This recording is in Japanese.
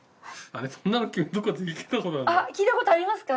聞いたことありますか？